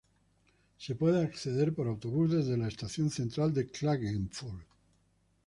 Se puede acceder por autobús desde la Estación Central de Klagenfurt.